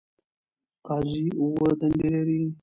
قاضی اووه دندې لري.